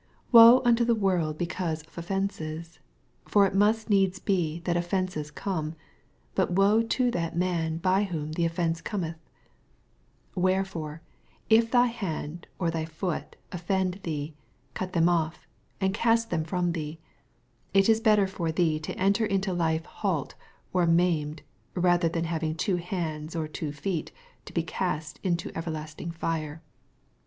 7 Woe unto the world because of offences! for it must needs be that offences come ; but woe to that man by whom the offence cometh 1 8 Wherefore if thy hand or thy foot offend thee, cut them off, and cast them from thee : it is better for thee to enter into life halt or maimed, ra ther than having two hands or two feet to be cast into everlasting fire.